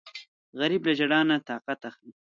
غریب له ژړا نه طاقت اخلي